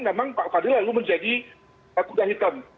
memang pak fadli lalu menjadi kuda hitam